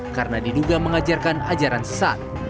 karena diduga mengajarkan ajaran sesat